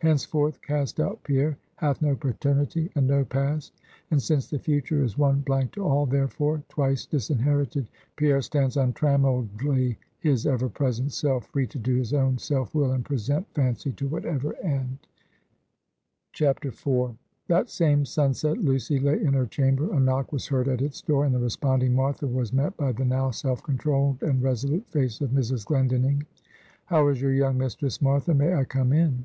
Henceforth, cast out Pierre hath no paternity, and no past; and since the Future is one blank to all; therefore, twice disinherited Pierre stands untrammeledly his ever present self! free to do his own self will and present fancy to whatever end!" IV. That same sunset Lucy lay in her chamber. A knock was heard at its door, and the responding Martha was met by the now self controlled and resolute face of Mrs. Glendinning. "How is your young mistress, Martha? May I come in?"